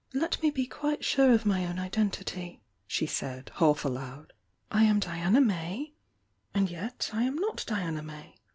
"Let me be quite sure of my own identity," she said, half aloud. "I am Diana May — and yet I am not Diana May!